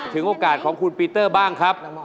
โอกาสของคุณปีเตอร์บ้างครับ